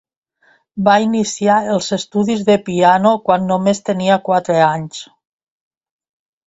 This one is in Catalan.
Va iniciar els estudis de piano quan només tenia quatre anys.